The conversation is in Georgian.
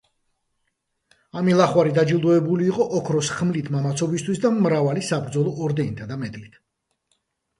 ამილახვარი დაჯილდოებული იყო ოქროს ხმლით „მამაცობისათვის“ და მრგვალი საბრძოლო ორდენითა და მედლით.